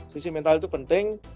sisi mental itu penting